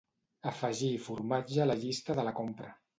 Afegir formatge a la llista de la compra.